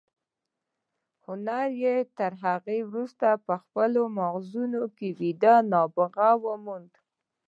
هنري تر هغه وروسته په خپلو ماغزو کې ویده نبوغ وموند